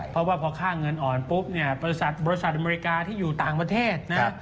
เพราะว่าพอค่าเงินอ่อนปุ๊บเนี่ยบริษัทบริษัทอเมริกาที่อยู่ต่างประเทศนะ